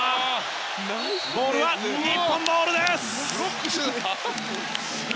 ボールは日本ボール！